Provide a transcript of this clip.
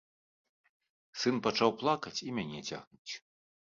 Сын пачаў плакаць і мяне цягнуць.